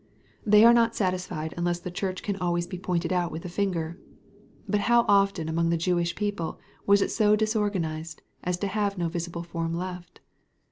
They are not satisfied unless the Church can always be pointed out with the finger. But how often among the Jewish people was it so disorganized, as to have no visible form left?